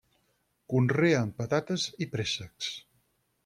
Conreen patates i préssecs.